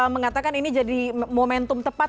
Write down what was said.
mengatakan ini jadi momentum tepat